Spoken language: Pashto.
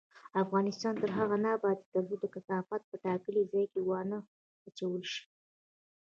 افغانستان تر هغو نه ابادیږي، ترڅو کثافات په ټاکلي ځای کې ونه اچول شي.